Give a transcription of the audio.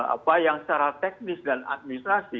apa yang secara teknis dan administrasi